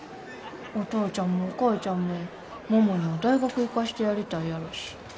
お父ちゃんもお母ちゃんも桃には大学行かしてやりたいやろし。